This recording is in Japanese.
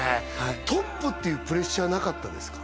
トップっていうプレッシャーなかったですか？